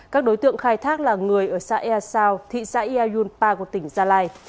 các đối tượng khai thác là người ở xã airsao thị xã iayunpa của tỉnh gia lai